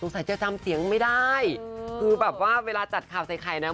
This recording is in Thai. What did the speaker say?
สัยจะจำเสียงไม่ได้คือแบบว่าเวลาจัดข่าวใส่ไข่นะ